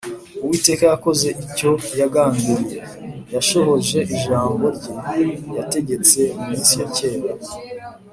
Uwiteka yakoze icyo yagambiriye, Yashohoje ijambo rye yategetse mu minsi ya kera.